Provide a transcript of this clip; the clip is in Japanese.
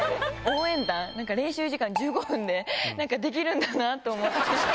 応援団練習時間１５分でできるんだなぁと思って。